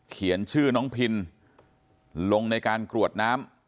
เขียนชื่อน้องพินลงในการกรวดน้ำ